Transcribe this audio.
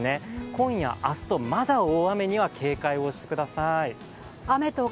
今夜、明日とまだ大雨には警戒をしてください。